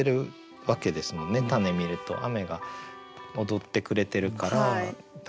たね見ると雨が踊ってくれてるから多分。